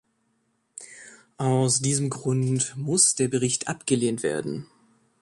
Aus diesem Grund muss der Bericht abgelehnt werden.